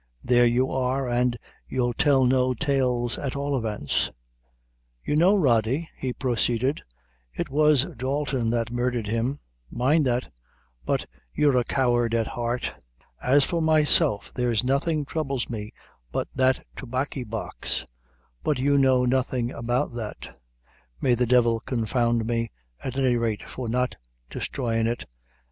There you are, an' you'll tell no tales at all events! You know, Rody," he proceeded, "it was Dalton that murdhered him; mind that but you're a coward at heart; as for myself there's nothing troubles me but that Tobaccy Box; but you know nothing about that; may the divil confound me, at any rate, for not destroyin' it!